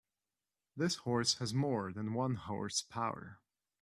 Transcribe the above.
This horse has more than one horse power.